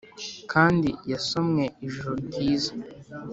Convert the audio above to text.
kandi yasomwe ijoro ryiza